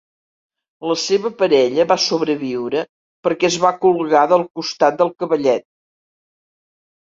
La seva parella va sobreviure perquè es va colgar del costat del cavallet.